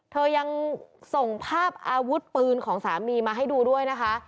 เธอยังส่งภาพอาวุธปืนของสามีมาให้ดูด้วยนะคะ